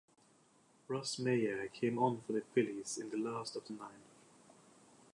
Russ Meyer came on for the Phillies in the last of the ninth.